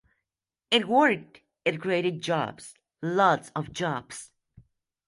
it worked. It created jobs. Lots of jobs.